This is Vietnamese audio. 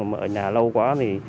mà ở nhà lâu quá thì